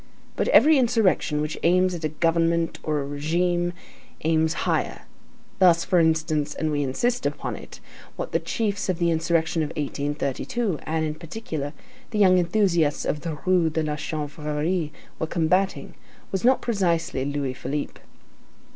But every insurrection, which aims at a government or a régime, aims higher. Thus, for instance, and we insist upon it, what the chiefs of the insurrection of 1832, and, in particular, the young enthusiasts of the Rue de la Chanvrerie were combating, was not precisely Louis Philippe.